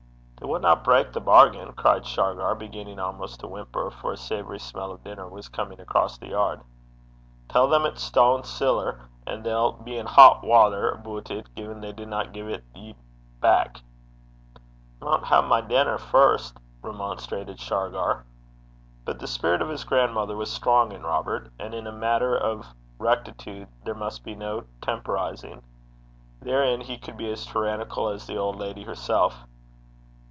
'They winna brak the bargain,' cried Shargar, beginning almost to whimper, for a savoury smell of dinner was coming across the yard. 'Tell them it's stown siller, and they'll be in het watter aboot it gin they dinna gie ye 't back.' 'I maun hae my denner first,' remonstrated Shargar. But the spirit of his grandmother was strong in Robert, and in a matter of rectitude there must be no temporizing. Therein he could be as tyrannical as the old lady herself.